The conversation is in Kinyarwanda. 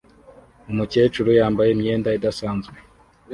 Umukecuru yambaye imyenda idasanzwe